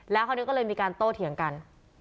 แล้วคราวนี้ก็เลยมีการโต้เถียงกัน